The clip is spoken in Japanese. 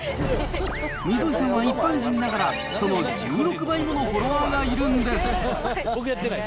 溝井さんは一般人ながら、その１６倍ものフォロワーがいるんです。